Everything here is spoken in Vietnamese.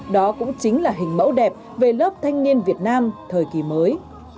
đó cũng chính là hình mẫu đẹp về lớp thanh niên việt nam thời kỳ mới